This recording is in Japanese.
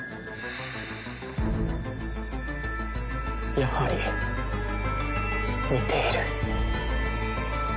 やはり似ている。